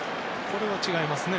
これは違いますね。